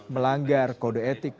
melanggar kode etik